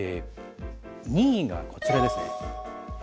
２位がこちらですね。